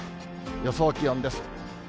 予想気温です。